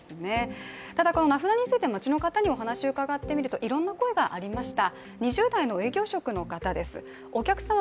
ただ名札について街の方にお話伺ってみるといろんな声がありました。